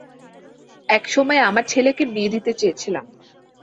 একসময় আমার ছেলেকে বিয়ে দিতে চেয়েছিলাম।